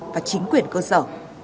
và chính quyền cơ sở